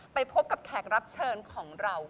ไปพบกับแขกรับเชิญของเรา